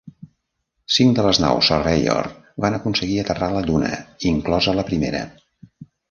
Cinc de les naus Surveyor van aconseguir aterrar a la lluna, inclosa la primera.